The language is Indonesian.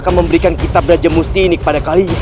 akan memberikan kitab raja musti ini kepada kalian